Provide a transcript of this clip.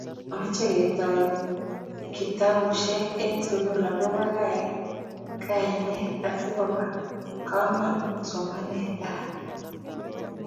meche ketoy kitabushek eng sugul agoba kaine asigobo kamanuut somaneetab